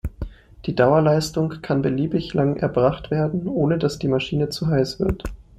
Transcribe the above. Die "Dauerleistung" kann beliebig lange erbracht werden, ohne dass die Maschine zu heiß wird.